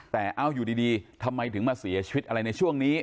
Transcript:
แต่เอาอยู่ดีทำไมถึงมาเสียชีวิตอะไรในช่วงนี้